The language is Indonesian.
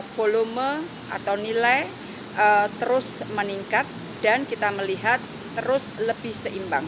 volume atau nilai terus meningkat dan kita melihat terus lebih seimbang